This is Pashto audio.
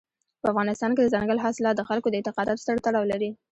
په افغانستان کې دځنګل حاصلات د خلکو د اعتقاداتو سره تړاو لري.